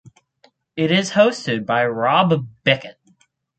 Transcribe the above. It is hosted by Rob Beckett.